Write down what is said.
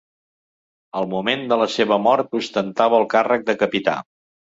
Al moment de la seva mort ostentava el càrrec de capità.